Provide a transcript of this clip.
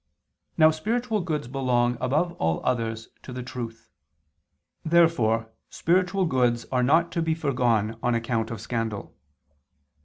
Now spiritual goods belong, above all others, to the truth. Therefore spiritual goods are not to be foregone on account of scandal.